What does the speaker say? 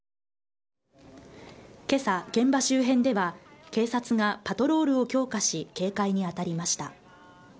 けさ、現場周辺では警察がパトロールを強化し、警戒に当たりました。